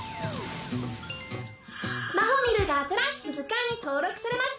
マホミルが新しく図鑑に登録されます。